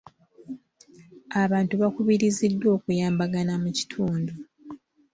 Abantu baakubiriziddwa okuyambagana mu kitundu.